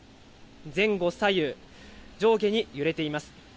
前後左右、上下に揺れています。